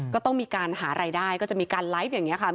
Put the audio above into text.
ก็ต้องมีการหารายได้ก็จะมีการไลฟ์อย่างนี้ค่ะ